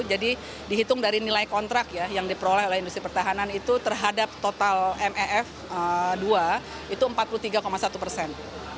jadi dihitung dari nilai kontrak yang diperoleh oleh industri pertahanan itu terhadap total mef dua itu empat puluh tiga satu persen